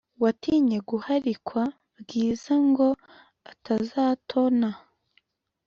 watinye guharikwa bwiza ngo atazatona